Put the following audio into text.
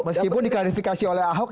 meskipun diklarifikasi oleh ahok